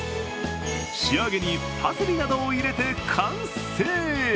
仕上げにパセリなどを入れて完成！